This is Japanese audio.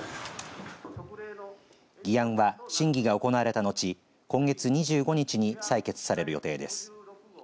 議案は、審議が行われた後今月２５日に採決される予定です。